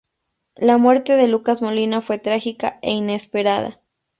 La muerte de Lucas Molina fue trágica e inesperada.